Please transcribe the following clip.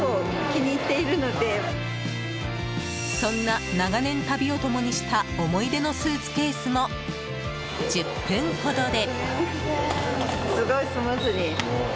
そんな長年、旅を共にした思い出のスーツケースも１０分ほどで。